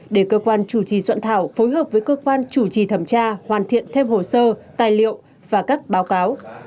để cơ quan chủ trì soạn thảo phối hợp với cơ quan chủ trì thẩm tra hoàn thiện thêm hồ sơ tài liệu và các báo cáo